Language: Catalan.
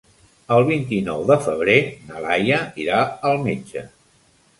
El vint-i-nou de febrer na Laia irà al metge.